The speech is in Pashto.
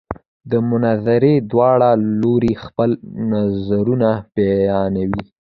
د مناظرې دواړه لوري خپل نظرونه بیانوي.